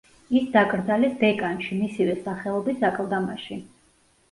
ის დაკრძალეს დეკანში, მისივე სახელობის აკლდამაში.